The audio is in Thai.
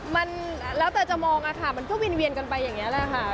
มันแล้วแต่จะมองอะค่ะมันก็วิ่งเวียนกันไปอย่างนี้แหละค่ะ